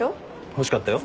欲しかったよ。